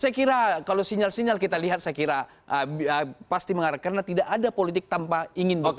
saya kira kalau sinyal sinyal kita lihat saya kira pasti mengarah karena tidak ada politik tanpa ingin bertemu